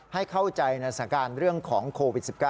ให้เข้าใจในสถานการณ์เรื่องของโควิด๑๙